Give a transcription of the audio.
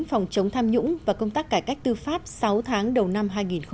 phòng chống tham nhũng và công tác cải cách tư pháp sáu tháng đầu năm hai nghìn hai mươi